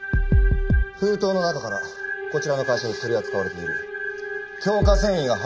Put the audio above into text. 封筒の中からこちらの会社で取り扱われている強化繊維が発見されました。